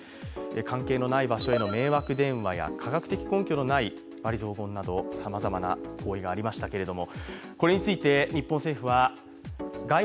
関係のない場所への迷惑電話や科学的な根拠もない罵詈雑言など、さまざまな声がありましたけれども。